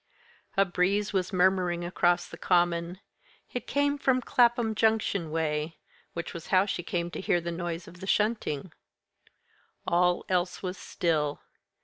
A breeze was murmuring across the common. It came from Clapham Junction way which was how she came to hear the noise of the shunting. All else was still.